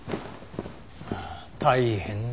大変だな。